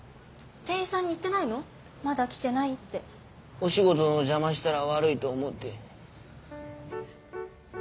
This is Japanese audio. お仕事の邪魔したら悪いと思って。